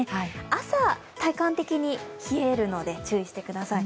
朝、体感的に冷えるので注意してください。